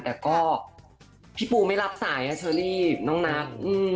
แต่ก็พี่ปูไม่รับสายเชอรี่น้องนัท